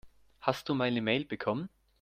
Hast du meine Mail bekommen?